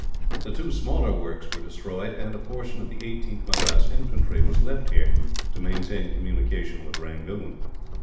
The two smaller works were destroyed, and a portion of the 18th Madras Infantry was left here, to maintain communication with Rangoon.